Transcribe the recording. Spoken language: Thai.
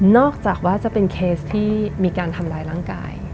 จากว่าจะเป็นเคสที่มีการทำร้ายร่างกาย